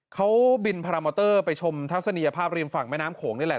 เขาบินพารามอเตอร์ไปชมทัศนียภาพริมฝั่งแม่น้ำโขงนี่แหละ